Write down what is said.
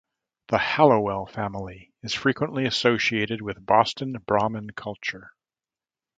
The Hallowell family is frequently associated with Boston Brahmin culture.